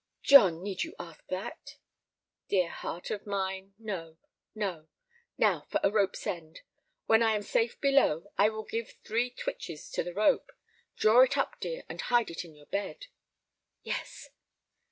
"John, need you ask that?" "Dear heart of mine, no, no. Now for a rope's end. When I am safe below I will give three twitches to the rope. Draw it up, dear, and hide it in your bed." "Yes."